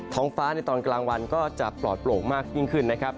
ท้องฟ้าในตอนกลางวันก็จะปลอดโปร่งมากยิ่งขึ้นนะครับ